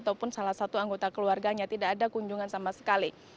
ataupun salah satu anggota keluarganya tidak ada kunjungan sama sekali